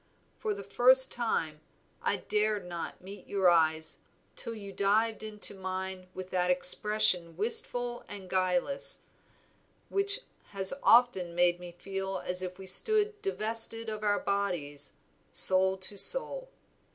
For the first time I dared not meet your eyes till you dived into mine with that expression wistful and guileless, which has often made me feel as if we stood divested of our bodies, soul to soul.